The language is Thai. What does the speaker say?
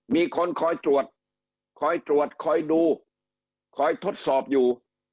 มีคนคอยตรวจคอยตรวจคอยดูคอยทดสอบอยู่